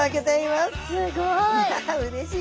すごい！